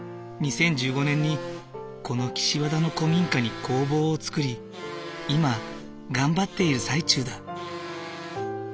２０１５年にこの岸和田の古民家に工房を作り今頑張っている最中だ。